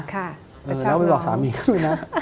แล้วไปบอกสามีเขาด้วยนะ